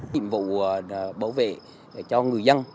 nhiệm vụ bảo vệ cho người dân